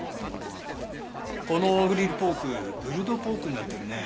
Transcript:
このグリルポークプルドポークになってるね。